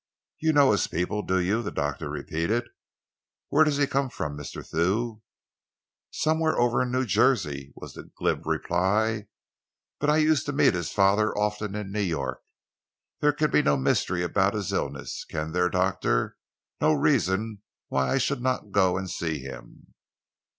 "You know his people, do you?" the doctor repeated. "Where does he come from, Mr. Thew?" "Somewhere over New Jersey way," was the glib reply, "but I used to meet his father often in New York. There can be no mystery about his illness, can there, doctor no reason why I should not go and see him?"